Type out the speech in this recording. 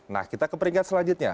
nah kita ke peringkat selanjutnya